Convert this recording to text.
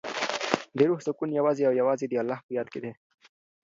د روح سکون یوازې او یوازې د الله په یاد کې دی.